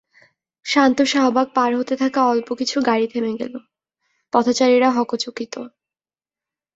শান্ত শাহবাগ পার হতে থাকা অল্প কিছু গাড়ি থেমে গেল, পথচারীরা হকচকিত।